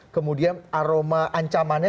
kemudian aroma ancamannya